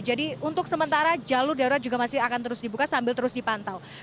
jadi untuk sementara jalur darurat juga masih akan terus dibuka sambil terus dipantau